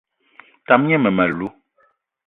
Tam gne mmem- alou